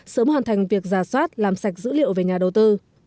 sớm hoàn thành việc giả soát làm sạch dữ liệu về nhà đầu tư